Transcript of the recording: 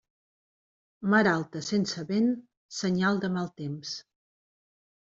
Mar alta sense vent, senyal de mal temps.